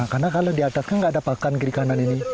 karena kalau di atas kan nggak ada pakan kiri kanan ini